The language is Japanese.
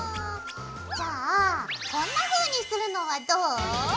じゃあこんなふうにするのはどう？